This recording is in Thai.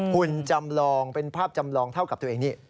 หุ่นจำลองเป็นภาพจำลองเท่ากับตัวเองนี่